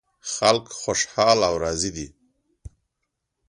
خلک خوشحال او راضي دي